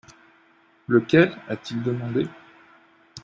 «Lequel ?» a-t-il demandé.